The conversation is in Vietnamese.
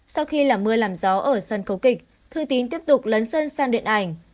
sau khi làm mưa làm gió ở sân khấu kịch thương tín tiếp tục lấn sân sang điện ảnh